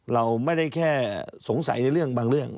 เราไม่ได้แค่สงสัยในเรื่องบางเรื่อง